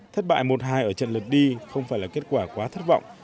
thất bại một hai ở trận lượt đi không phải là kết quả quá thất vọng